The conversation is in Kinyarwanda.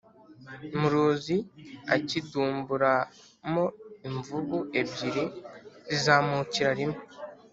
muruzi acyidumbura mo imvubu ebyiri zizamukira rimwe